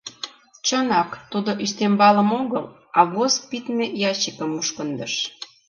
Чынак, тудо ӱстембалым огыл, а воз пидме ящикым мушкындыш...